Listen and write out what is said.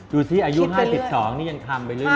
ดูสิอายุ๕๒นี่ยังคำไปเรื่อย